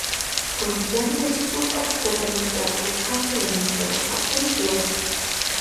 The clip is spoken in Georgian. გორგიჯანიძე სუსტად ფლობდა ლიტერატურულ ქართულ ენას, წერდა ხალხური კილოთი.